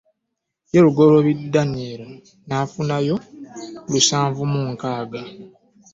Ye Lugoloobi Daniel n'afunayo lusanvu mu nkaaga